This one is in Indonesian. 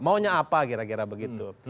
maunya apa kira kira begitu